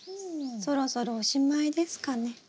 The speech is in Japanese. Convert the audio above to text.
そろそろおしまいですかね？